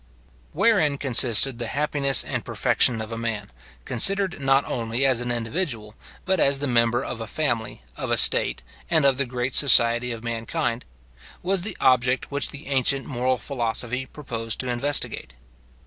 Wherein consisted the happiness and perfection of a man, considered not only as an individual, but as the member of a family, of a state, and of the great society of mankind, was the object which the ancient moral philosophy proposed to investigate.